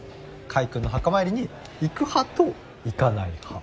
カイ君の墓参りに行く派と行かない派。